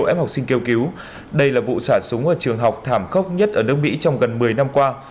một mươi em học sinh kêu cứu đây là vụ xả súng ở trường học thảm khốc nhất ở nước mỹ trong gần một mươi năm qua